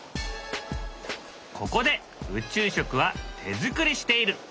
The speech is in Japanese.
ここで宇宙食は手作りしている。